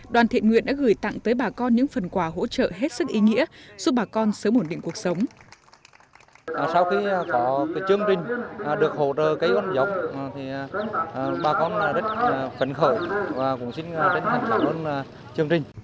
đoàn thiện nguyện đã gửi tặng tới bà con những phần quà hỗ trợ hết sức ý nghĩa giúp bà con sớm ổn định cuộc sống